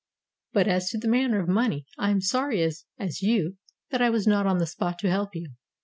But as to the matter of money, I am as sorry as you that I was not on the spot to help you.